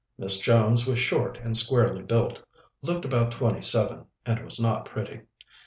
Miss Jones was short and squarely built, looked about twenty seven, and was not pretty.